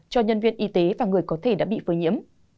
cho nhân viên y tế và người có thể đã bị phơi nhiễm